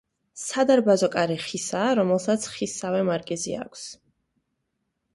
სადარბაზო კარი ხისაა, რომელსაც ხისსავე მარკიზი აქვს.